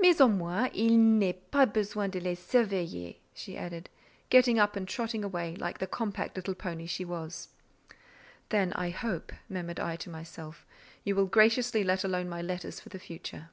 Mais au moins il n'est pas besoin de les surveiller," she added, getting up and trotting away like the compact little pony she was. "Then I hope," murmured I to myself, "you will graciously let alone my letters for the future."